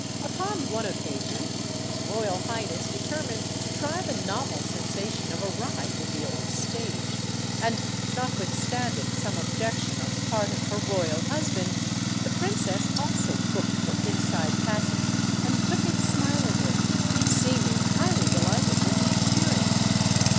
Upon one occasion his royal highness determined to try the novel sensation of a ride in the old stage, and notwithstanding some objection on the part of her royal husband, the princess also booked for inside passage and took it smilingly, seeming highly delighted with the experience.